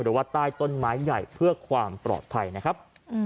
หรือว่าใต้ต้นไม้ใหญ่เพื่อความปลอดภัยนะครับ